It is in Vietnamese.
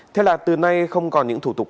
thế là từ nay không còn những thủ tục